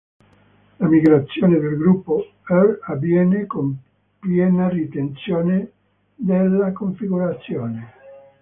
La migrazione del gruppo -R avviene con piena ritenzione della configurazione.